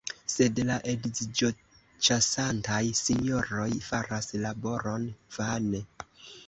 Sed la edziĝoĉasantaj sinjoroj faras laboron vane!